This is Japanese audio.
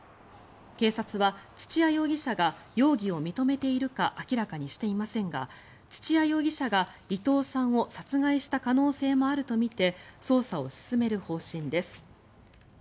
警察は土屋容疑者が容疑を認めているか明らかにしていませんが土屋容疑者が伊藤さんを殺害した可能性もあるとみて捜査を進める方針です。